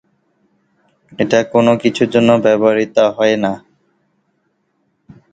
এটা কোন কিছুর জন্য ব্যবহৃত হয় না।